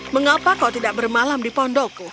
mengapa kau tidak bermalam di pondokku